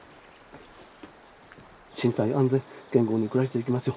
身体安全健康に暮らしていけますよう。